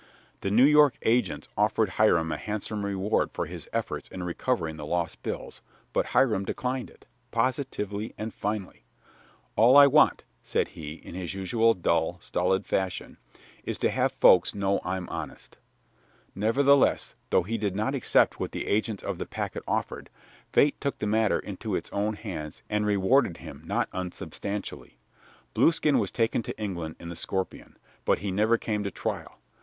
The New York agents offered Hiram a handsome reward for his efforts in recovering the lost bills, but Hiram declined it, positively and finally. "All I want," said he, in his usual dull, stolid fashion, "is to have folks know I'm honest." Nevertheless, though he did not accept what the agents of the packet offered, fate took the matter into its own hands and rewarded him not unsubstantially. Blueskin was taken to England in the Scorpion. But he never came to trial.